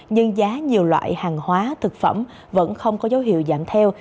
nhưng giá nhiều loại hàng hóa thực phẩm vẫn không có dấu hiệu giảm theo